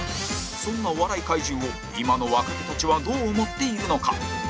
そんなお笑い怪獣を今の若手たちはどう思っているのか？